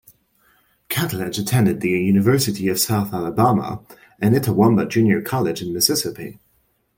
Catledge attended the University of South Alabama and Itawamba Junior College in Mississippi.